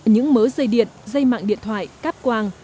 những mớ dây điện dây mạng điện thoại cáp quang